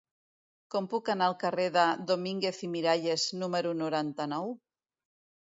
Com puc anar al carrer de Domínguez i Miralles número noranta-nou?